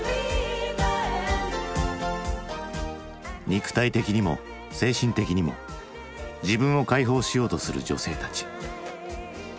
肉体的にも精神的にも自分を解放しようとする女性たち。